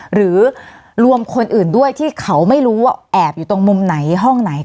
หรือรวมคนอื่นด้วยที่เขาไม่รู้ว่าแอบอยู่ตรงมุมไหนห้องไหน